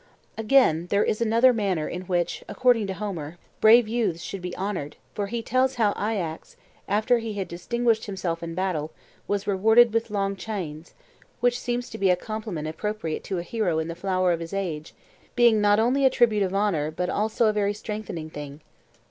Again, there is another manner in which, according to Homer, brave youths should be honoured; for he tells how Ajax, after he had distinguished himself in battle, was rewarded with long chines, which seems to be a compliment appropriate to a hero in the flower of his age, being not only a tribute of honour but also a very strengthening thing.